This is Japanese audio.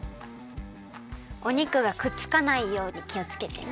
お肉がくっつかないようにきをつけてね。